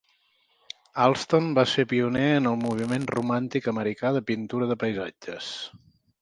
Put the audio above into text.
Allston va ser pioner en el moviment romàntic americà de pintura de paisatges.